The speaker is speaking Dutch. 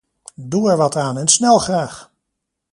Doe er wat aan en snel graag!